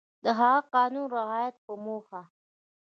د هغه قانون رعایت په موخه